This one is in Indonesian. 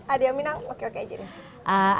ada yang minang oke oke aja deh